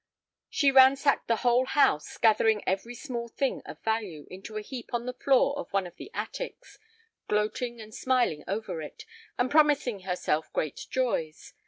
She ransacked the whole house, gathering every small thing of value into a heap on the floor of one of the attics, gloating and smiling over it, and promising herself great joys.